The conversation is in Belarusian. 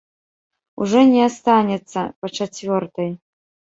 Ужо не астанецца па чацвёртай.